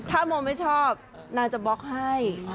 ถ้าโมไม่ชอบนางจะบล็อกให้